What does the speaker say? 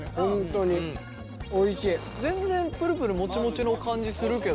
全然プルプルもちもちの感じするけどね。